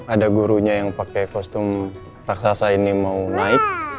ada gurunya yang pakai kostum raksasa ini mau naik